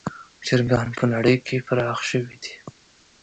چرګان په نړۍ کې پراخ شوي دي.